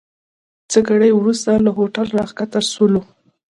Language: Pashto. څه ګړی وروسته له هوټل راکښته سولو.